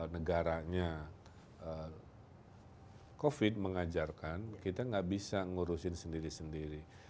negaranya covid mengajarkan kita nggak bisa ngurusin sendiri sendiri